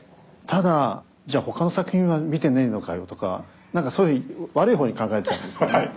ただじゃあ「ほかの作品は見てねえのかよ」とかそういうふうに悪い方に考えちゃうんですね。